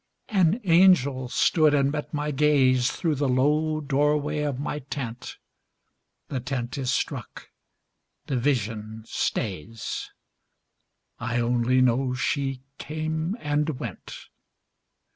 An angel stood and met my gaze, Through the low doorway of my tent; The tent is struck, the vision stays; I only know she came and went.